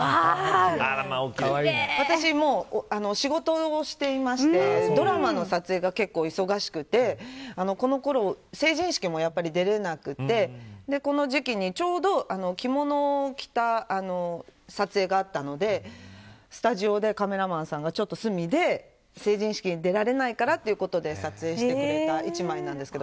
私、もう仕事をしていましてドラマの撮影が結構忙しくてこのころ成人式も、やっぱり出れなくてこの時期に、ちょうど着物を着た撮影があったのでスタジオでカメラマンさんがちょっと隅で成人式に出られないからということで撮影してくれた一枚なんですけど。